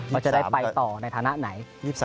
ว่าจะได้ไปต่อในฐานะไหน